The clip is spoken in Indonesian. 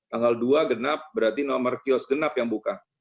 tanggal dua genap berarti nomor kios genap yang buka